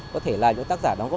có thể là những tác giả đóng góp